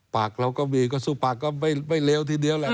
ปากเราก็มีก็สู้ปากก็ไม่เลวทีเดียวแหละ